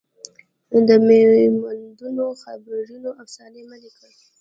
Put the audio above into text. د میوندونو خیبرونو افسانې مه لیکه